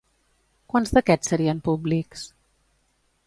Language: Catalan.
Quants d'aquests serien públics?